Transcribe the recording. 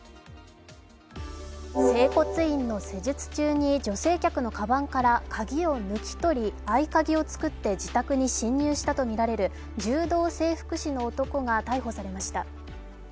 整骨院の施術中に女性客のカバンから鍵を抜き取り、合鍵を作って自宅に侵入したとみられる柔道整復師の男が逮捕されました。